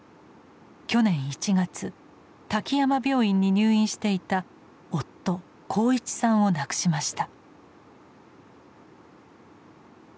去年１月滝山病院に入院していた夫鋼一さんを亡くしました。